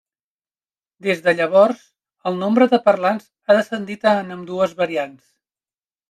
Des de llavors el nombre de parlants ha descendit en ambdues variants.